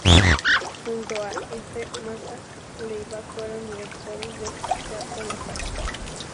Junto a F. Mazza Leiva fueron directores del "Teatro La Farsa".